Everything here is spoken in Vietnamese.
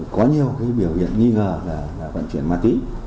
có nhiều biểu hiện nghi ngờ là bản chuyển ma túy